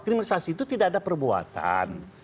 kriminalisasi itu tidak ada perbuatan